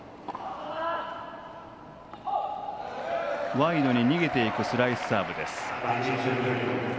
ワイドに逃げていくスライスサーブです。